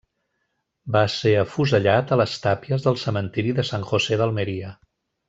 Va ser afusellat a les tàpies del cementiri de San José d'Almeria.